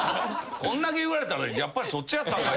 こんだけ言われたのにやっぱりそっちやったんかい。